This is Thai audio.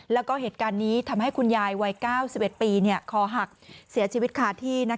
แล้วก็เหตุการณ์นี้ทำให้คุณยายวัย๙๑ปีคอหักเสียชีวิตคาที่